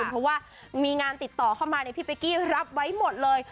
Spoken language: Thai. เพราะว่ามีงานติดต่อเข้ามาพี่เป๊กกี้รับไว้หมดเลย